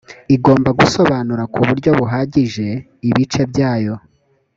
igomba gusobanura ku buryo buhagije ibice byayo